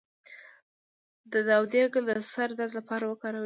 د داودي ګل د سر درد لپاره وکاروئ